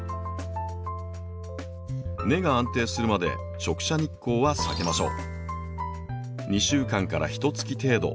根が安定するまで直射日光は避けましょう。